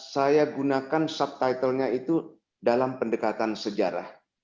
saya gunakan subtitlenya itu dalam pendekatan sejarah